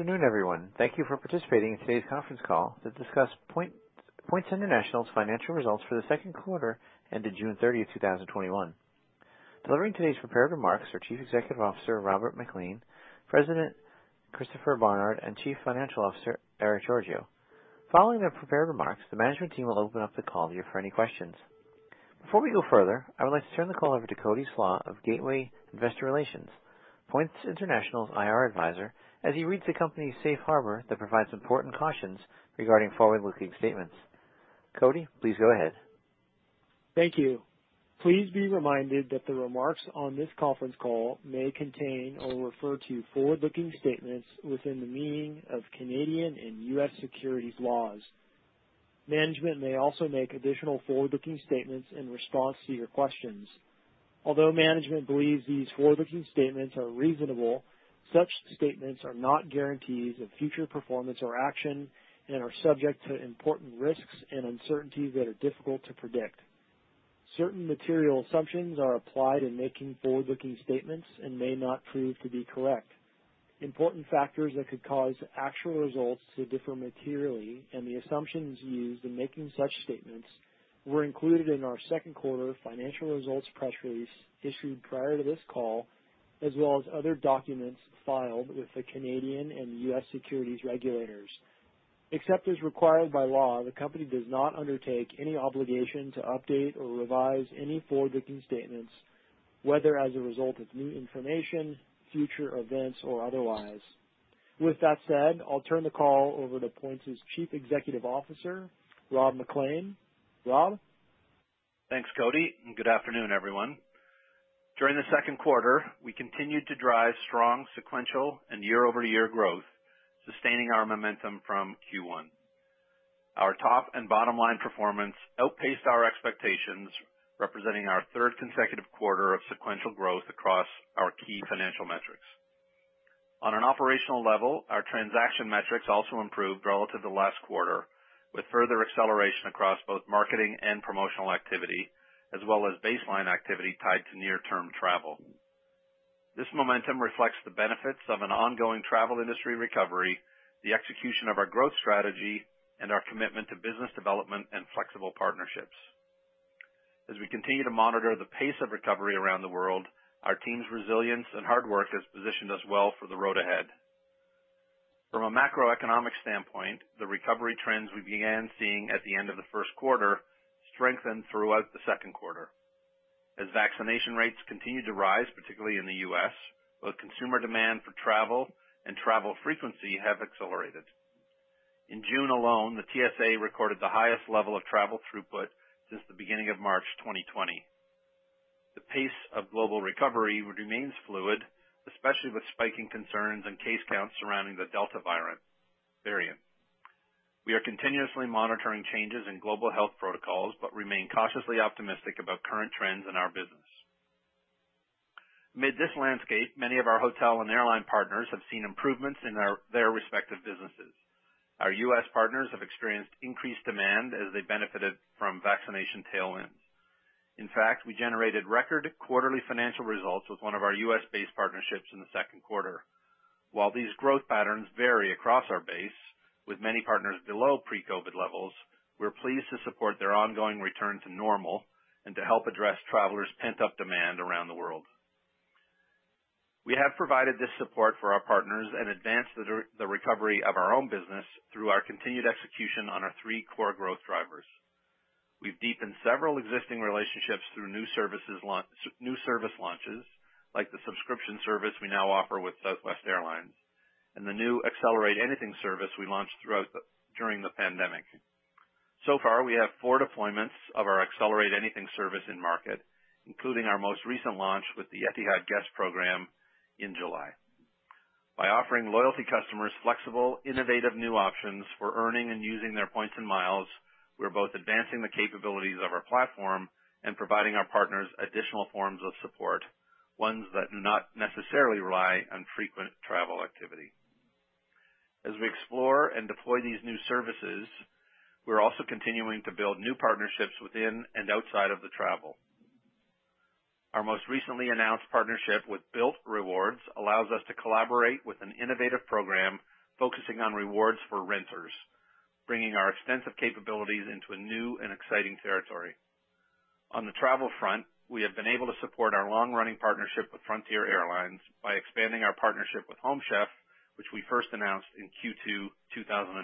Good afternoon, everyone. Thank you for participating in today's conference call to discuss Points International's financial results for the second quarter ended June 30th, 2021. Delivering today's prepared remarks are Chief Executive Officer, Rob MacLean, President, Christopher Barnard, and Chief Financial Officer, Erick Georgiou. Following their prepared remarks, the management team will open up the call to you for any questions. Before we go further, I would like to turn the call over to Cody Slach of Gateway Investor Relations, Points International's IR advisor, as he reads the company's Safe Harbor that provides important cautions regarding forward-looking statements. Cody, please go ahead. Thank you. Please be reminded that the remarks on this conference call may contain or refer to forward-looking statements within the meaning of Canadian and U.S. securities laws. Management may also make additional forward-looking statements in response to your questions. Although management believes these forward-looking statements are reasonable, such statements are not guarantees of future performance or action and are subject to important risks and uncertainties that are difficult to predict. Certain material assumptions are applied in making forward-looking statements and may not prove to be correct. Important factors that could cause actual results to differ materially and the assumptions used in making such statements were included in our second quarter financial results press release issued prior to this call, as well as other documents filed with the Canadian and U.S. securities regulators. Except as required by law, the company does not undertake any obligation to update or revise any forward-looking statements, whether as a result of new information, future events, or otherwise. With that said, I'll turn the call over to Points' Chief Executive Officer, Rob MacLean. Rob? Thanks, Cody, and good afternoon, everyone. During the second quarter, we continued to drive strong sequential and year-over-year growth, sustaining our momentum from Q1. Our top and bottom line performance outpaced our expectations, representing our third consecutive quarter of sequential growth across our key financial metrics. On an operational level, our transaction metrics also improved relative to last quarter, with further acceleration across both marketing and promotional activity, as well as baseline activity tied to near-term travel. This momentum reflects the benefits of an ongoing travel industry recovery, the execution of our growth strategy, and our commitment to business development and flexible partnerships. As we continue to monitor the pace of recovery around the world, our team's resilience and hard work has positioned us well for the road ahead. From a macroeconomic standpoint, the recovery trends we began seeing at the end of the first quarter strengthened throughout the second quarter. As vaccination rates continued to rise, particularly in the U.S., both consumer demand for travel and travel frequency have accelerated. In June alone, the TSA recorded the highest level of travel throughput since the beginning of March 2020. The pace of global recovery remains fluid, especially with spiking concerns and case counts surrounding the Delta variant. We are continuously monitoring changes in global health protocols, but remain cautiously optimistic about current trends in our business. Amid this landscape, many of our hotel and airline partners have seen improvements in their respective businesses. Our U.S. partners have experienced increased demand as they benefited from vaccination tailwinds. In fact, we generated record quarterly financial results with one of our U.S.-based partnerships in the second quarter. While these growth patterns vary across our base, with many partners below pre-COVID-19 levels, we're pleased to support their ongoing return to normal and to help address travelers' pent-up demand around the world. We have provided this support for our partners and advanced the recovery of our own business through our continued execution on our three core growth drivers. We've deepened several existing relationships through new service launches, like the subscription service we now offer with Southwest Airlines and the new Accelerate Anything service we launched during the pandemic. So far, we have four deployments of our Accelerate Anything service in market, including our most recent launch with the Etihad Guest Program in July. By offering loyalty customers flexible, innovative new options for earning and using their points and miles, we're both advancing the capabilities of our platform and providing our partners additional forms of support, ones that do not necessarily rely on frequent travel activity. As we explore and deploy these new services, we're also continuing to build new partnerships within and outside of the travel. Our most recently announced partnership with Bilt Rewards allows us to collaborate with an innovative program focusing on rewards for renters, bringing our extensive capabilities into a new and exciting territory. On the travel front, we have been able to support our long-running partnership with Frontier Airlines by expanding our partnership with Home Chef, which we first announced in Q2 2019.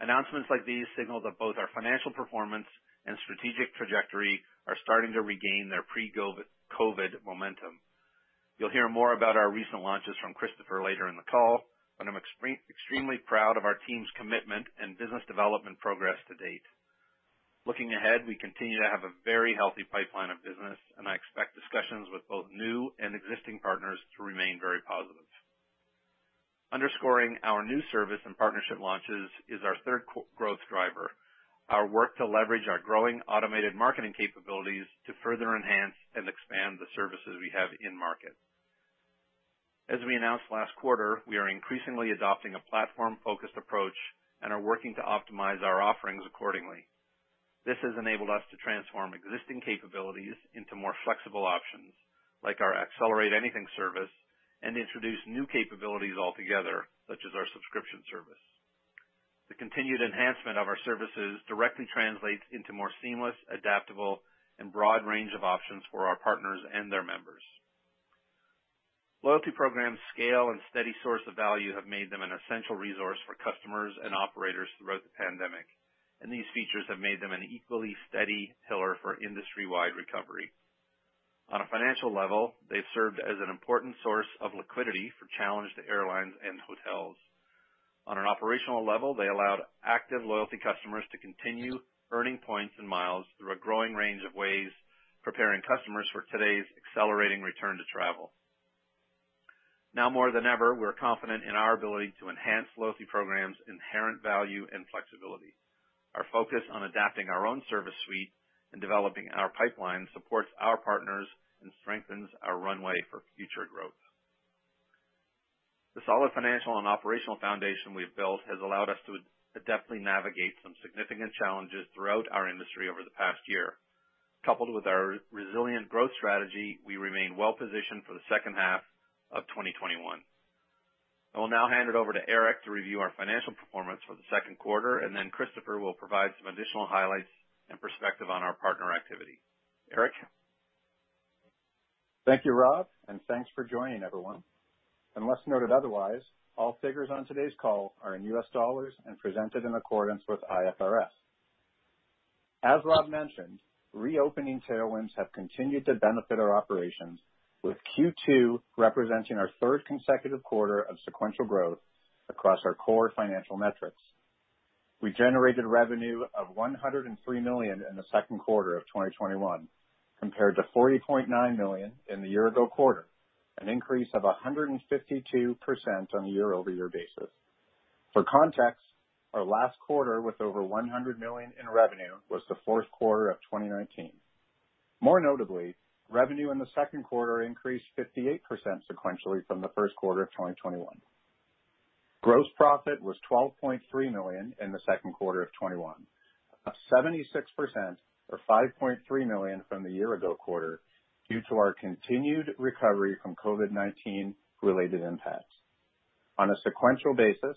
Announcements like these signal that both our financial performance and strategic trajectory are starting to regain their pre-COVID-19 momentum. You'll hear more about our recent launches from Christopher later in the call, but I'm extremely proud of our team's commitment and business development progress to date. Looking ahead, we continue to have a very healthy pipeline of business, and I expect discussions with both new and existing partners to remain very positive. Underscoring our new service and partnership launches is our third growth driver, our work to leverage our growing automated marketing capabilities to further enhance and expand the services we have in market. As we announced last quarter, we are increasingly adopting a platform-focused approach and are working to optimize our offerings accordingly. This has enabled us to transform existing capabilities into more flexible options, like our Accelerate Anything service, and introduce new capabilities altogether, such as our subscription service. The continued enhancement of our services directly translates into more seamless, adaptable, and broad range of options for our partners and their members. Loyalty programs' scale and steady source of value have made them an essential resource for customers and operators throughout the pandemic, and these features have made them an equally steady pillar for industry-wide recovery. On a financial level, they've served as an important source of liquidity for challenged airlines and hotels. On an operational level, they allowed active loyalty customers to continue earning points and miles through a growing range of ways, preparing customers for today's accelerating return to travel. Now more than ever, we're confident in our ability to enhance loyalty programs' inherent value and flexibility. Our focus on adapting our own service suite and developing our pipeline supports our partners and strengthens our runway for future growth. The solid financial and operational foundation we've built has allowed us to adeptly navigate some significant challenges throughout our industry over the past year. Coupled with our resilient growth strategy, we remain well positioned for the second half of 2021. I will now hand it over to Erick to review our financial performance for the second quarter, and then Christopher will provide some additional highlights and perspective on our partner activity. Eric? Thank you, Rob, and thanks for joining, everyone. Unless noted otherwise, all figures on today's call are in U.S. dollars and presented in accordance with IFRS. As Rob mentioned, reopening tailwinds have continued to benefit our operations, with Q2 representing our third consecutive quarter of sequential growth across our core financial metrics. We generated revenue of $103 million in the second quarter of 2021, compared to $40.9 million in the year-ago quarter, an increase of 152% on a year-over-year basis. For context, our last quarter with over $100 million in revenue was the fourth quarter of 2019. More notably, revenue in the second quarter increased 58% sequentially from the first quarter of 2021. Gross profit was $12.3 million in the second quarter of 2021, up 76%, or $5.3 million from the year-ago quarter, due to our continued recovery from COVID-19 related impacts. On a sequential basis,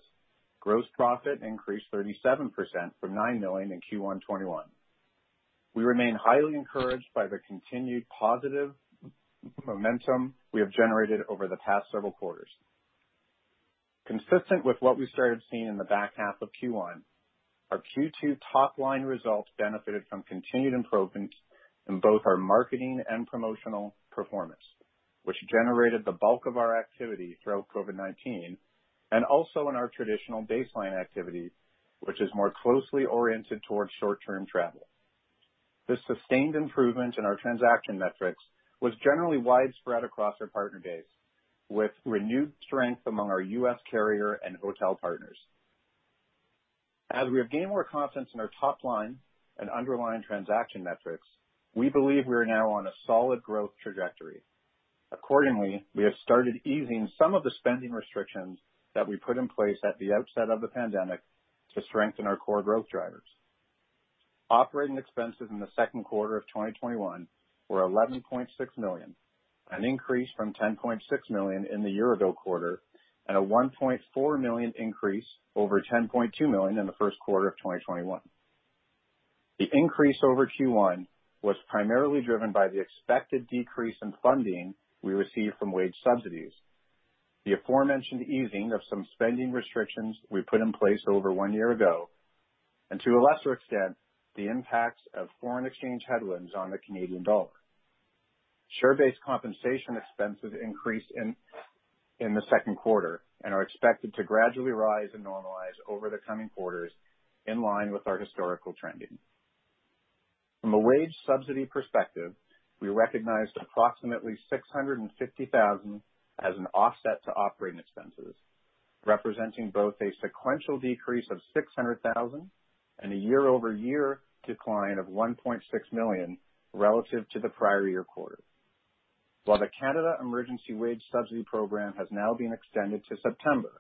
gross profit increased 37% from $9 million in Q1 2021. We remain highly encouraged by the continued positive momentum we have generated over the past several quarters. Consistent with what we started seeing in the back half of Q1, our Q2 top-line results benefited from continued improvements in both our marketing and promotional performance, which generated the bulk of our activity throughout COVID-19, and also in our traditional baseline activity, which is more closely oriented towards short-term travel. This sustained improvement in our transaction metrics was generally widespread across our partner base, with renewed strength among our U.S. carrier and hotel partners. As we have gained more confidence in our top line and underlying transaction metrics, we believe we are now on a solid growth trajectory. We have started easing some of the spending restrictions that we put in place at the outset of the pandemic to strengthen our core growth drivers. Operating expenses in the second quarter of 2021 were $11.6 million, an increase from $10.6 million in the year-ago quarter, and a $1.4 million increase over $10.2 million in the first quarter of 2021. The increase over Q1 was primarily driven by the expected decrease in funding we received from wage subsidies. The aforementioned easing of some spending restrictions we put in place over one year ago, and to a lesser extent, the impacts of foreign exchange headwinds on the Canadian dollar. Share-based compensation expenses increased in the second quarter and are expected to gradually rise and normalize over the coming quarters, in line with our historical trending. From a wage subsidy perspective, we recognized approximately $650,000 as an offset to operating expenses, representing both a sequential decrease of $600,000 and a year-over-year decline of $1.6 million relative to the prior year quarter. While the Canada Emergency Wage Subsidy Program has now been extended to September,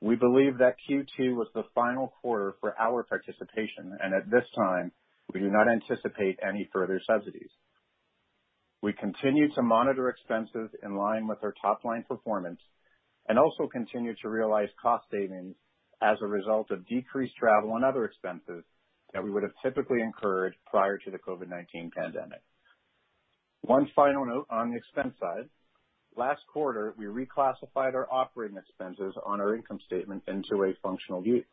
we believe that Q2 was the final quarter for our participation, and at this time, we do not anticipate any further subsidies. We continue to monitor expenses in line with our top-line performance and also continue to realize cost savings as a result of decreased travel and other expenses that we would have typically incurred prior to the COVID-19 pandemic. One final note on the expense side. Last quarter, we reclassified our operating expenses on our income statement into a functional unit.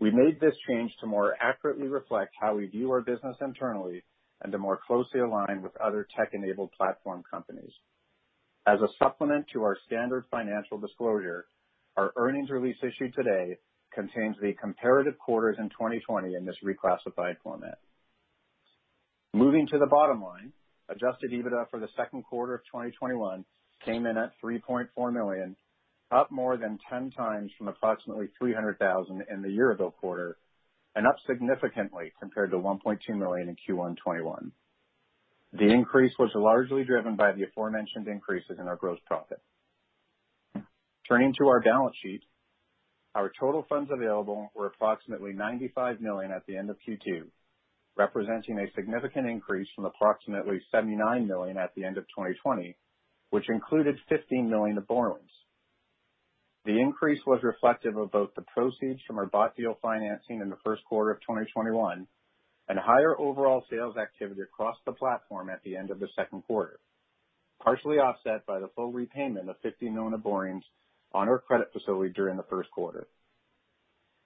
We made this change to more accurately reflect how we view our business internally and to more closely align with other tech-enabled platform companies. As a supplement to our standard financial disclosure, our earnings release issued today contains the comparative quarters in 2020 in this reclassified format. Moving to the bottom line, adjusted EBITDA for the second quarter of 2021 came in at $3.4 million, up more than 10 times from approximately $300,000 in the year-ago quarter, and up significantly compared to $1.2 million in Q1 2021. The increase was largely driven by the aforementioned increases in our gross profit. Turning to our balance sheet, our total funds available were approximately $95 million at the end of Q2, representing a significant increase from approximately $79 million at the end of 2020, which included $15 million of borrowings. The increase was reflective of both the proceeds from our bought deal financing in the first quarter of 2021 and higher overall sales activity across the platform at the end of the second quarter, partially offset by the full repayment of $15 million of borrowings on our credit facility during the first quarter.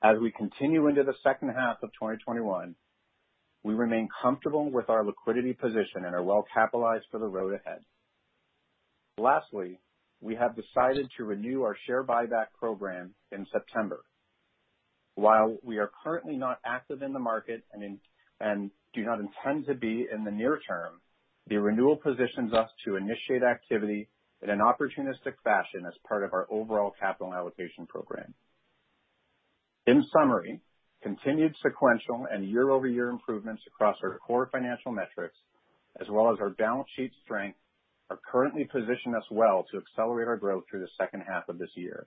As we continue into the second half of 2021, we remain comfortable with our liquidity position and are well capitalized for the road ahead. Lastly, we have decided to renew our share buyback program in September. While we are currently not active in the market and do not intend to be in the near term, the renewal positions us to initiate activity in an opportunistic fashion as part of our overall capital allocation program. In summary, continued sequential and year-over-year improvements across our core financial metrics, as well as our balance sheet strength, are currently positioned us well to accelerate our growth through the second half of this year.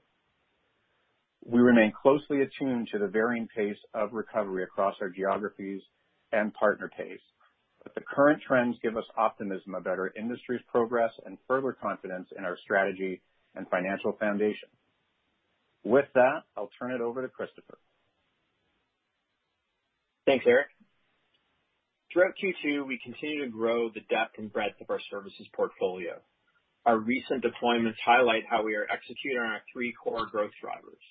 We remain closely attuned to the varying pace of recovery across our geographies and partner pace, but the current trends give us optimism about our industry's progress and further confidence in our strategy and financial foundation. With that, I'll turn it over to Christopher. Thanks, Erick. Throughout Q2, we continued to grow the depth and breadth of our services portfolio. Our recent deployments highlight how we are executing on our three core growth drivers.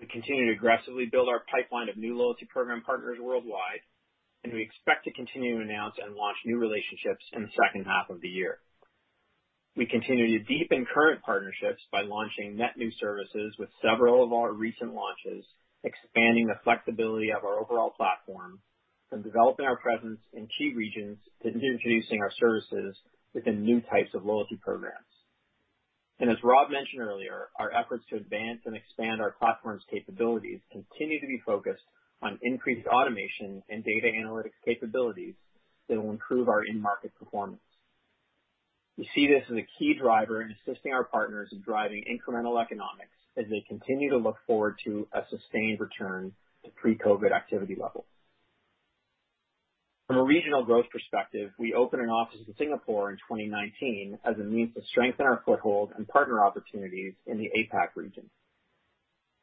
We continue to aggressively build our pipeline of new loyalty program partners worldwide, and we expect to continue to announce and launch new relationships in the second half of the year. We continue to deepen current partnerships by launching net new services with several of our recent launches, expanding the flexibility of our overall platform, from developing our presence in key regions to introducing our services within new types of loyalty programs. As Rob mentioned earlier, our efforts to advance and expand our platform's capabilities continue to be focused on increased automation and data analytics capabilities that will improve our in-market performance. We see this as a key driver in assisting our partners in driving incremental economics as they continue to look forward to a sustained return to pre-COVID activity levels. From a regional growth perspective, we opened an office in Singapore in 2019 as a means to strengthen our foothold and partner opportunities in the APAC region.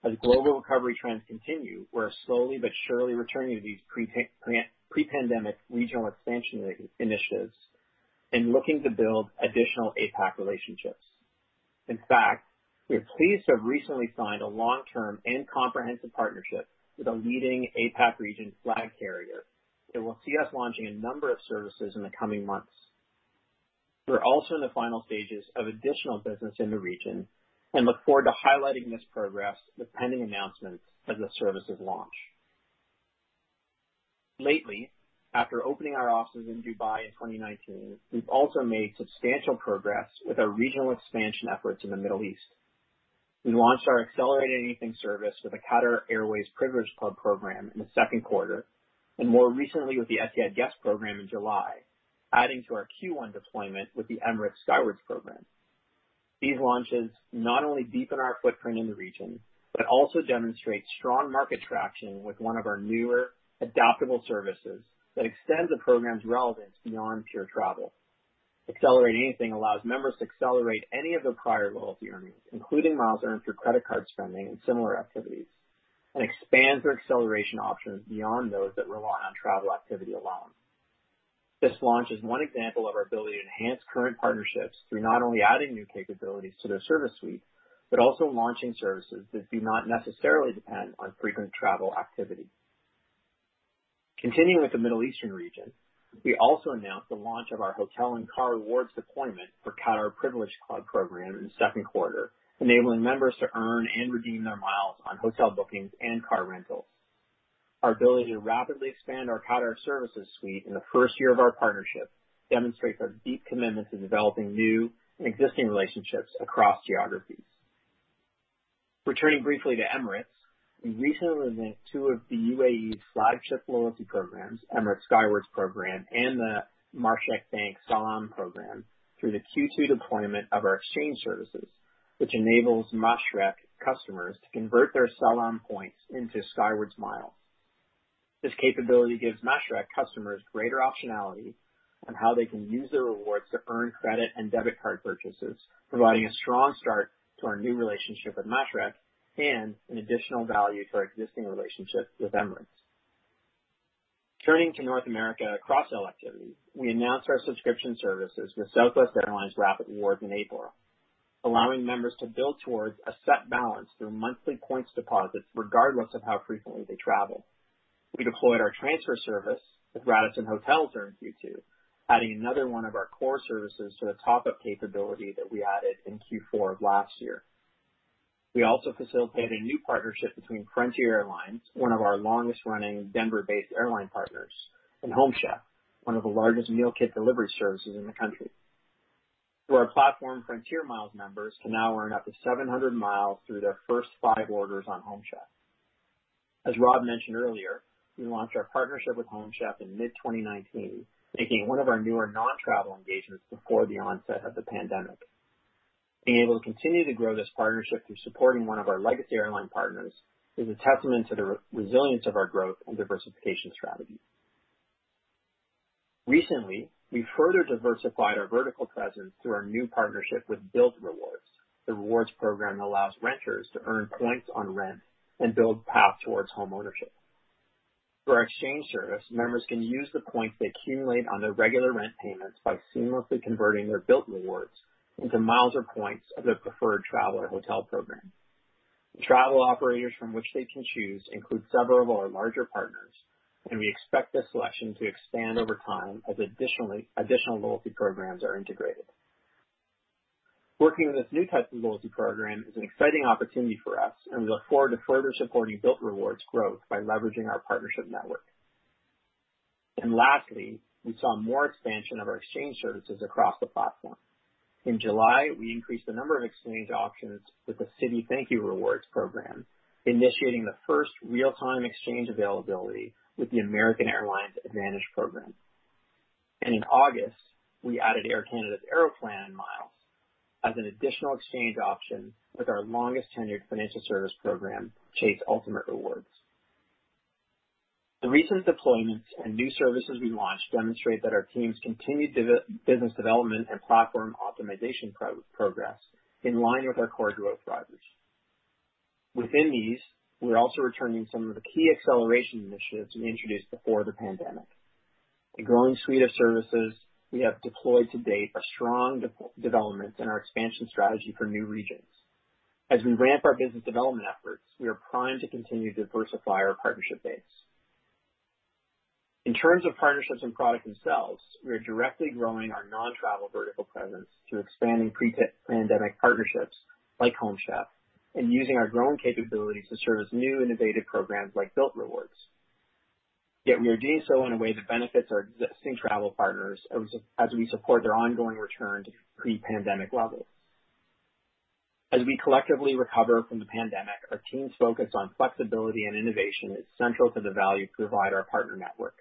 As global recovery trends continue, we're slowly but surely returning to these pre-pandemic regional expansion initiatives and looking to build additional APAC relationships. In fact, we are pleased to have recently signed a long-term and comprehensive partnership with a leading APAC region flag carrier that will see us launching a number of services in the coming months. We're also in the final stages of additional business in the region and look forward to highlighting this progress with pending announcements as the services launch. Lately, after opening our offices in Dubai in 2019, we've also made substantial progress with our regional expansion efforts in the Middle East. We launched our Accelerate Anything service with the Qatar Airways Privilege Club program in the second quarter, and more recently with the Etihad Guest program in July, adding to our Q1 deployment with the Emirates Skywards program. These launches not only deepen our footprint in the region, but also demonstrate strong market traction with one of our newer adaptable services that extends the program's relevance beyond pure travel. Accelerate Anything allows members to accelerate any of their prior loyalty earnings, including miles earned through credit card spending and similar activities, and expands their acceleration options beyond those that rely on travel activity alone. This launch is one example of our ability to enhance current partnerships through not only adding new capabilities to their service suite, but also launching services that do not necessarily depend on frequent travel activity. Continuing with the Middle Eastern region, we also announced the launch of our hotel and car rewards deployment for Qatar Airways Privilege Club program in the second quarter, enabling members to earn and redeem their miles on hotel bookings and car rentals. Our ability to rapidly expand our Qatar services suite in the first year of our partnership demonstrates our deep commitment to developing new and existing relationships across geographies. Returning briefly to Emirates, we recently linked two of the U.A.E.'s flagship loyalty programs, Emirates Skywards program and the Mashreq Bank Salaam program, through the Q2 deployment of our exchange services, which enables Mashreq customers to convert their Salaam points into Skywards Miles. This capability gives Mashreq customers greater optionality on how they can use their rewards to earn credit and debit card purchases, providing a strong start to our new relationship with Mashreq and an additional value to our existing relationship with Emirates. Turning to North America cross-sell activity, we announced our subscription services with Southwest Airlines Rapid Rewards in April, allowing members to build towards a set balance through monthly points deposits regardless of how frequently they travel. We deployed our transfer service with Radisson Hotels during Q2, adding another one of our core services to the top-up capability that we added in Q4 of last year. We also facilitated a new partnership between Frontier Airlines, one of our longest-running Denver-based airline partners, and Home Chef, one of the largest meal kit delivery services in the country. Through our platform, FRONTIER Miles members can now earn up to 700 miles through their first five orders on Home Chef. As Rob mentioned earlier, we launched our partnership with Home Chef in mid-2019, making it one of our newer non-travel engagements before the onset of the pandemic. Being able to continue to grow this partnership through supporting one of our legacy airline partners is a testament to the resilience of our growth and diversification strategy. Recently, we further diversified our vertical presence through our new partnership with Bilt Rewards. The rewards program allows renters to earn points on rent and build path towards homeownership. Through our exchange service, members can use the points they accumulate on their regular rent payments by seamlessly converting their Bilt Rewards into miles or points of their preferred travel or hotel program. The travel operators from which they can choose include several of our larger partners. We expect this selection to expand over time as additional loyalty programs are integrated. Working with this new type of loyalty program is an exciting opportunity for us. We look forward to further supporting Bilt Rewards' growth by leveraging our partnership network. Lastly, we saw more expansion of our exchange services across the platform. In July, we increased the number of exchange options with the Citi ThankYou Rewards program, initiating the first real-time exchange availability with the American Airlines AAdvantage program. In August, we added Air Canada's Aeroplan miles as an additional exchange option with our longest-tenured financial service program, Chase Ultimate Rewards. The recent deployments and new services we launched demonstrate that our team's continued business development and platform optimization progress in line with our core growth drivers. Within these, we're also returning some of the key acceleration initiatives we introduced before the pandemic. The growing suite of services we have deployed to date are strong developments in our expansion strategy for new regions. As we ramp our business development efforts, we are primed to continue to diversify our partnership base. In terms of partnerships and products themselves, we are directly growing our non-travel vertical presence through expanding pre-pandemic partnerships like Home Chef and using our growing capabilities to service new innovative programs like Bilt Rewards. Yet we are doing so in a way that benefits our existing travel partners as we support their ongoing return to pre-pandemic levels. As we collectively recover from the pandemic, our team's focus on flexibility and innovation is central to the value we provide our partner network.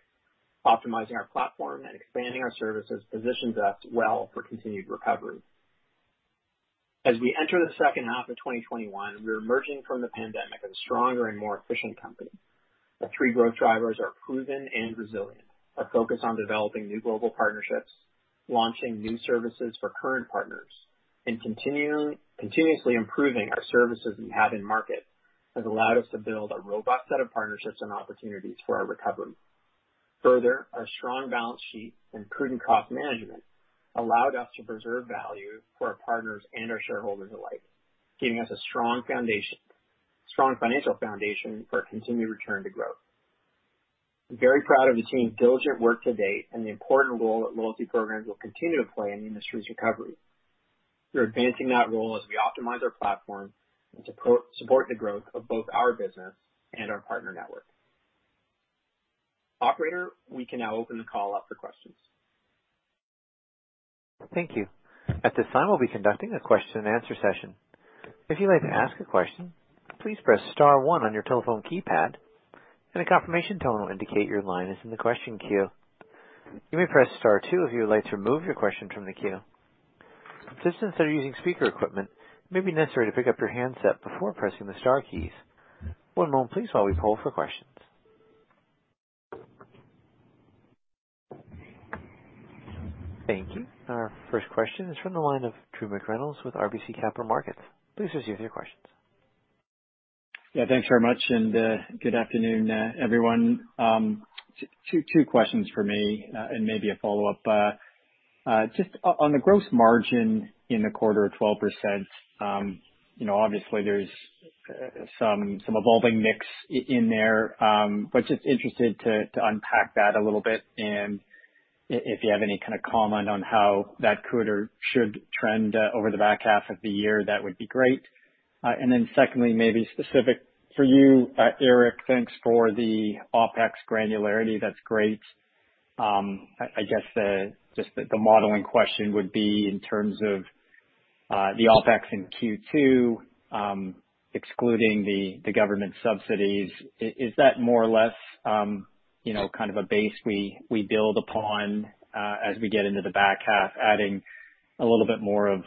Optimizing our platform and expanding our services positions us well for continued recovery. As we enter the second half of 2021, we are emerging from the pandemic a stronger and more efficient company. Our three growth drivers are proven and resilient. Our focus on developing new global partnerships, launching new services for current partners, and continuously improving our services we have in market has allowed us to build a robust set of partnerships and opportunities for our recovery. Further, our strong balance sheet and prudent cost management allowed us to preserve value for our partners and our shareholders alike, giving us a strong financial foundation for a continued return to growth. I'm very proud of the team's diligent work to date and the important role that loyalty programs will continue to play in the industry's recovery. We are advancing that role as we optimize our platform and to support the growth of both our business and our partner network. Operator, we can now open the call up for questions. Thank you. At this time, we'll be conducting a question and answer session. If you'd like to ask a question, please press star one on your telephone keypad and a confirmation tone will indicate your line is in the question queue. You may press star two if you would like to remove your question from the queue. Participants that are using speaker equipment, it may be necessary to pick up your handset before pressing the star keys. One moment please while we poll for questions. Thank you. Our first question is from the line of Drew McReynolds with RBC Capital Markets. Please proceed with your questions. Thanks very much, and good afternoon, everyone. Two questions from me, and maybe a follow-up. Just on the gross margin in the quarter of 12%, obviously there's some evolving mix in there, but just interested to unpack that a little bit and if you have any kind of comment on how that could or should trend over the back half of the year, that would be great. Secondly, maybe specific for you, Erick Georgiou, thanks for the OpEx granularity. That's great. I guess just the modeling question would be in terms of the OpEx in Q2, excluding the government subsidies, is that more or less a base we build upon as we get into the back half, adding a little bit more of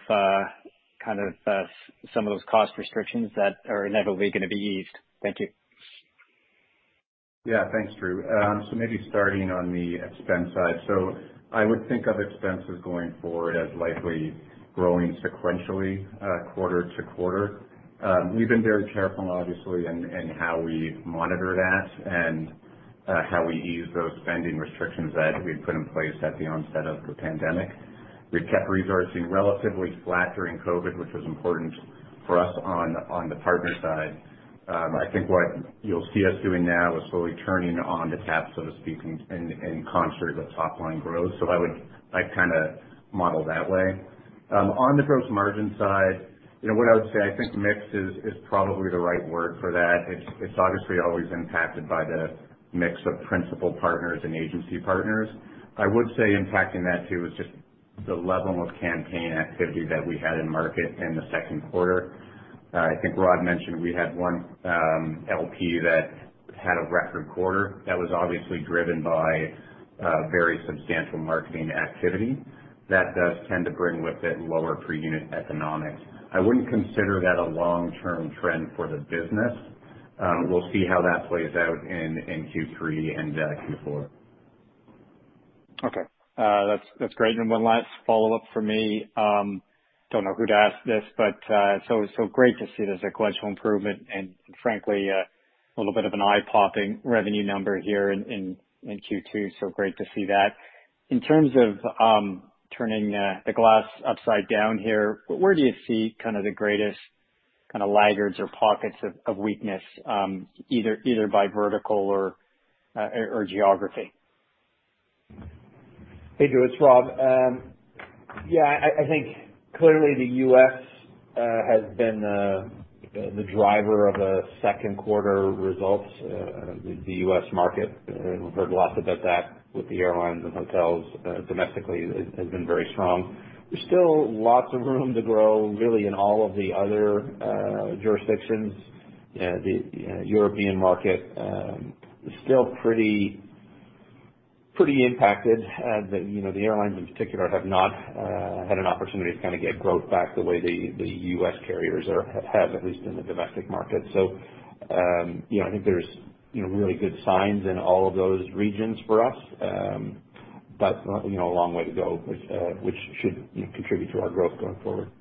some of those cost restrictions that are inevitably going to be eased? Thank you. Yeah. Thanks, Drew. Maybe starting on the expense side. I would think of expenses going forward as likely growing sequentially quarter-to-quarter. We've been very careful, obviously, in how we monitor that and how we ease those spending restrictions that we put in place at the onset of the pandemic. We've kept resourcing relatively flat during COVID, which was important for us on the partner side. I think what you'll see us doing now is slowly turning on the tap, so to speak, in concert with top line growth. I would model it that way. On the gross margin side, what I would say, I think mix is probably the right word for that. It's obviously always impacted by the mix of principal partners and agency partners. I would say impacting that, too, is just. The level of campaign activity that we had in market in the second quarter. I think Rob mentioned we had one LP that had a record quarter that was obviously driven by very substantial marketing activity. That does tend to bring with it lower per unit economics. I wouldn't consider that a long-term trend for the business. We'll see how that plays out in Q3 and Q4. Okay. That's great. And one last follow-up for me. Don't know who to ask this, but it's always so great to see there's a gradual improvement and frankly, a little bit of an eye-popping revenue number here in Q2. Great to see that. In terms of turning the glass upside down here, where do you see the greatest laggards or pockets of weakness, either by vertical or geography? Hey, Drew, it's Rob. I think clearly the U.S. has been the driver of the second quarter results. The U.S. market, we've heard lots about that with the airlines and hotels domestically, has been very strong. There's still lots of room to grow really in all of the other jurisdictions. The European market is still pretty impacted. The airlines in particular have not had an opportunity to get growth back the way the U.S. carriers have had, at least in the domestic market. I think there's really good signs in all of those regions for us. A long way to go, which should contribute to our growth going forward.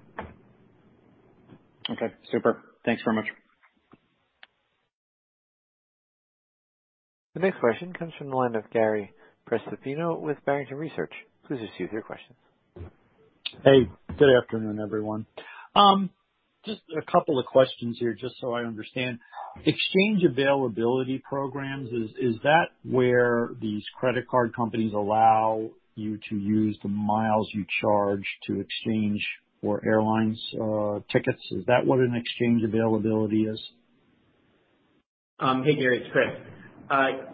Okay, super. Thanks very much. The next question comes from the line of Gary Prestopino with Barrington Research. Please proceed with your question. Hey, good afternoon, everyone. Just a couple of questions here, just so I understand. Exchange availability programs, is that where these credit card companies allow you to use the miles you charge to exchange for airline tickets? Is that what an exchange availability is? Hey, Gary, it's Chris.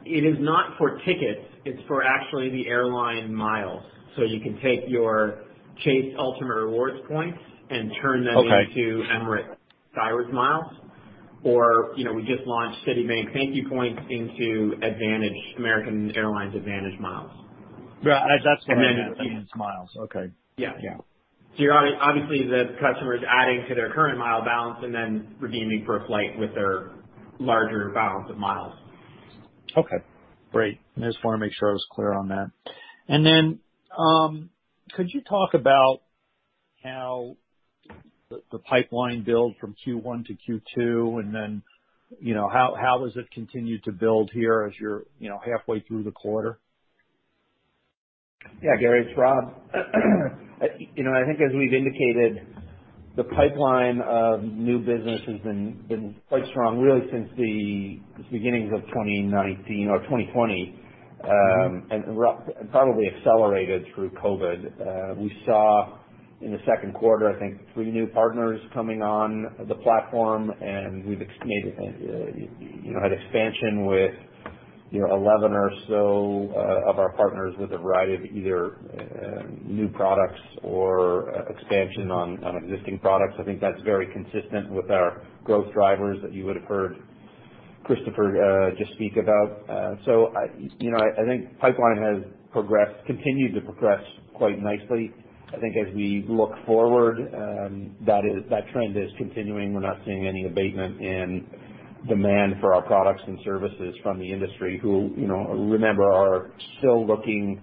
It is not for tickets. It's for actually the airline miles. You can take your Chase Ultimate Rewards points and turn them- Okay. Into Emirates Skywards miles, or we just launched Citibank ThankYou points into American Airlines AAdvantage miles. Right. That's what I meant, AAdvantage miles. Okay. Yeah. Yeah. Obviously the customer's adding to their current mile balance and then redeeming for a flight with their larger balance of miles. Okay, great. I just want to make sure I was clear on that. Could you talk about how the pipeline build from Q1 to Q2, and then how does it continue to build here as you're halfway through the quarter? Yeah, Gary, it's Rob. I think as we've indicated, the pipeline of new business has been quite strong, really since the beginnings of 2019 or 2020. Probably accelerated through COVID. We saw in the second quarter, I think three new partners coming on the platform, and we've had expansion with 11 or so of our partners with a variety of either new products or expansion on existing products. I think that's very consistent with our growth drivers that you would've heard Christopher just speak about. I think pipeline has continued to progress quite nicely. I think as we look forward, that trend is continuing. We're not seeing any abatement in demand for our products and services from the industry who, remember, are still looking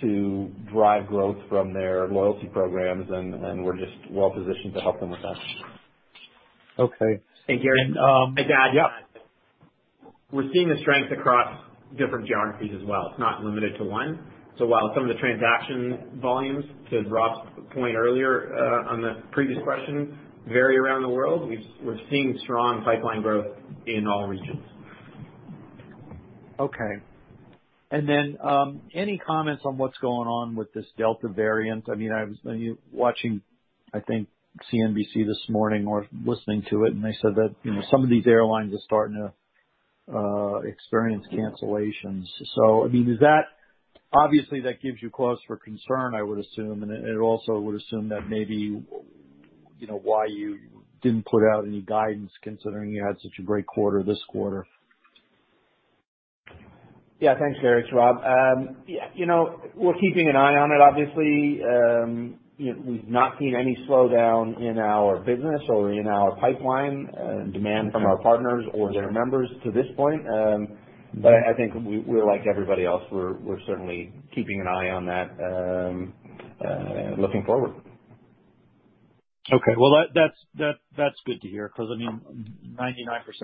to drive growth from their loyalty programs, and we're just well positioned to help them with that. Okay. Hey, Gary, I'd like to add-. Yeah. we're seeing the strength across different geographies as well. It's not limited to one. While some of the transaction volumes, to Rob's point earlier on the previous question, vary around the world, we're seeing strong pipeline growth in all regions. Okay. Any comments on what's going on with this Delta variant? I was watching, I think, CNBC this morning or listening to it, and they said that some of these airlines are starting to experience cancellations. Obviously that gives you cause for concern, I would assume, and it also would assume that maybe why you didn't put out any guidance, considering you had such a great quarter this quarter. Yeah. Thanks, Gary. It's Rob. We're keeping an eye on it, obviously. We've not seen any slowdown in our business or in our pipeline demand from our partners or their members to this point. I think we're like everybody else. We're certainly keeping an eye on that looking forward. Okay. Well, that's good to hear because 99%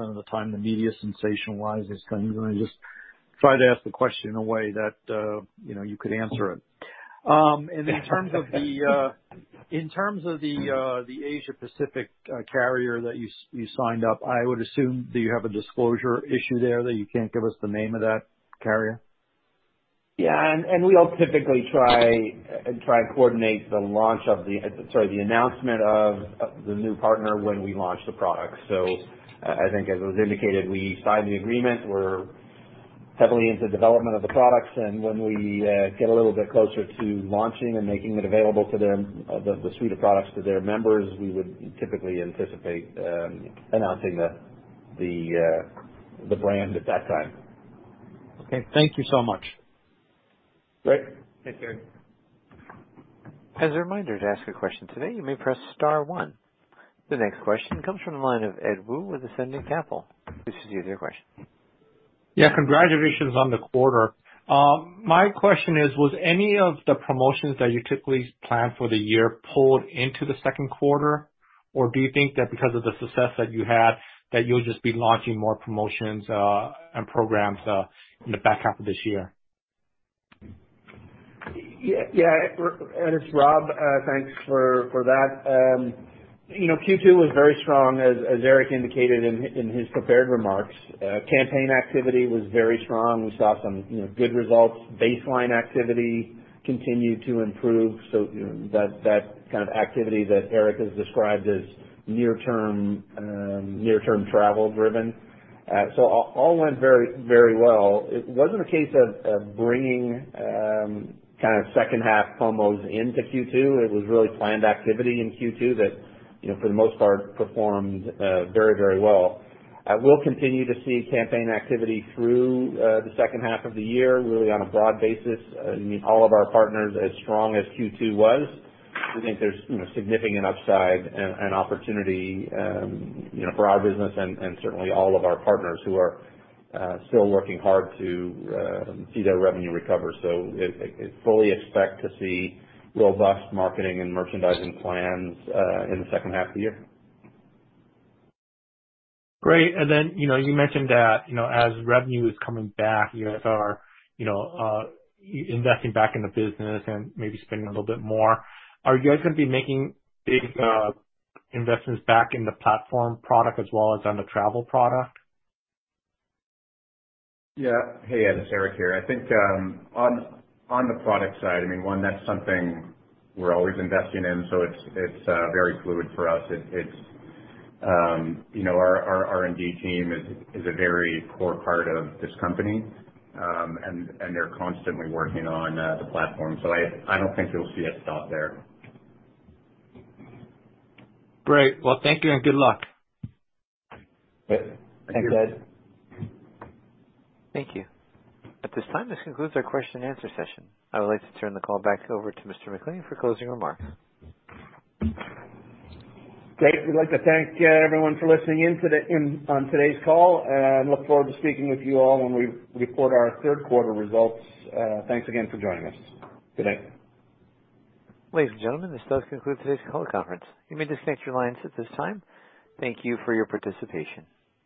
of the time the media sensationalizes things, and I just try to ask the question in a way that you could answer it. In terms of the Asia Pacific carrier that you signed up, I would assume that you have a disclosure issue there, that you can't give us the name of that carrier? Yeah. We'll typically try and coordinate the announcement of the new partner when we launch the product. I think as was indicated, we signed the agreement. We're heavily into development of the products, and when we get a little bit closer to launching and making the suite of products available to their members, we would typically anticipate announcing the brand at that time. Okay. Thank you so much. Great. Thanks, Gary. As a reminder, to ask a question today, you may press star one. The next question comes from the line of Ed Woo with Ascendiant Capital. Please proceed with your question. Yeah. Congratulations on the quarter. My question is, was any of the promotions that you typically plan for the year pulled into the second quarter? Do you think that because of the success that you had, that you'll just be launching more promotions and programs in the back half of this year? Yeah, Ed, it's Rob. Thanks for that. Q2 was very strong, as Erick indicated in his prepared remarks. Campaign activity was very strong. We saw some good results. Baseline activity continued to improve, that kind of activity that Eric has described as near term travel driven. All went very well. It wasn't a case of bringing second half promos into Q2. It was really planned activity in Q2 that, for the most part, performed very well. We'll continue to see campaign activity through the second half of the year, really on a broad basis, all of our partners, as strong as Q2 was. We think there's significant upside and opportunity for our business and certainly all of our partners who are still working hard to see their revenue recover. Fully expect to see robust marketing and merchandising plans in the second half of the year. Great. You mentioned that as revenue is coming back, you guys are investing back in the business and maybe spending a little bit more. Are you guys going to be making big investments back in the platform product as well as on the travel product? Yeah. Hey, Ed, it's Erick here. I think on the product side, one, that's something we're always investing in. It's very fluid for us. Our R&D team is a very core part of this company. They're constantly working on the platform. I don't think you'll see us stop there. Great. Well, thank you and good luck. Great. Thanks, Ed. Thank you. At this time, this concludes our question and answer session. I would like to turn the call back over to Mr. MacLean for closing remarks. Great. We'd like to thank everyone for listening in on today's call, and look forward to speaking with you all when we report our third quarter results. Thanks again for joining us. Good night. Ladies and gentlemen, this does conclude today's call conference. You may disconnect your lines at this time. Thank you for your participation.